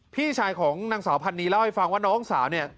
พี่ชายของนางสาวพันนีเล่าให้ฟังว่าน้องสาวเนี่ย